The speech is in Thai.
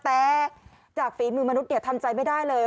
แต่จากฝีมือมนุษย์ทำใจไม่ได้เลย